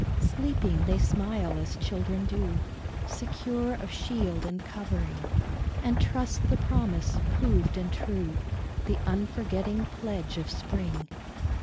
Sleeping, they smile as children do, Secure of shield and covering, And trust the Promise, proved and true, The unforgetting pledge of spring.